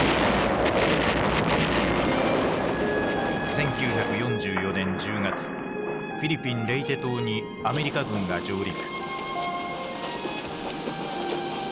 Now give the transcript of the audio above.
１９４４年１０月フィリピン・レイテ島にアメリカ軍が上陸。